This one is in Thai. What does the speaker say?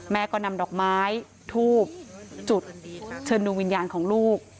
แม่ก็นำดอกไม้ทูบจุดเชิญดูวิญญาณของลูก